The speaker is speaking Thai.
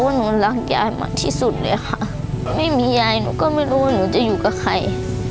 หนูรักยายมากที่สุดเลยค่ะไม่มียายหนูก็ไม่รู้ว่าหนูจะอยู่กับใคร